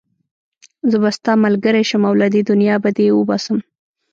زه به ستا ملګری شم او له دې دنيا به دې وباسم.